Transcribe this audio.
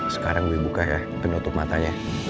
sekarang gue buka ya penutup matanya